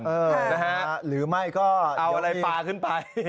นะฮะเอาอะไรปลาขึ้นไปหรือไม่ก็